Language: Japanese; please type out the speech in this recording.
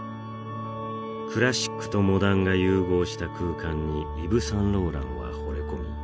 クラシックとモダンが融合した空間にイヴ・サンローランはほれ込み